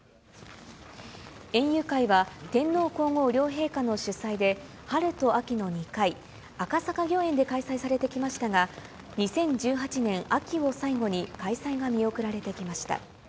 園遊会は、天皇皇后両陛下の主催で、春と秋の２回、赤坂御苑で開催されてきましたが、２０１８年秋を最後に開催が見送られてきました。